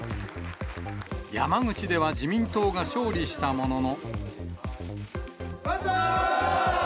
山口では自民党が勝利したものの。